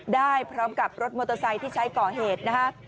ได้พร้อมกับรถมอเตอร์ไซค์ที่ใช้ก่อเหตุนะคะ